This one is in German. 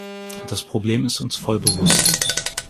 Das Problem ist uns voll bewusst.